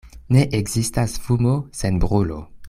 Ne ekzistas fumo sen brulo.